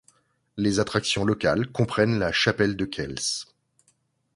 Les attractions locales comprennent la chapelle de Keills.